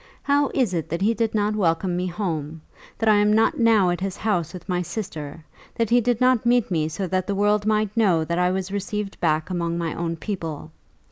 How is it that he did not welcome me home; that I am not now at his house with my sister; that he did not meet me so that the world might know that I was received back among my own people?